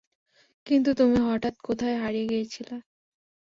কিন্তু তুমি হঠাৎ কোথায় হারিয়ে গিয়েছিলে?